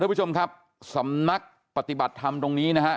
ผู้ชมครับสำนักปฏิบัติธรรมตรงนี้นะฮะ